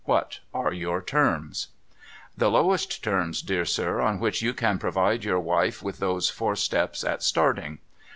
^Miat are your terms ?'' The lowest terms, dear sir, on which you can provide your wife with those four steps at starting.